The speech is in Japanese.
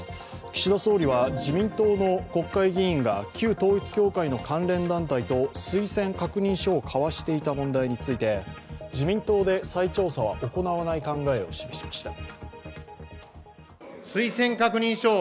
岸田総理は自民党の国会議員が旧統一教会の関連団体と推薦確認書を交わしていた問題について自民党で再調査は行わない考えを示しました。